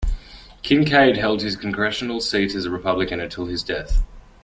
Kinkaid held his Congressional seat as a Republican until his death.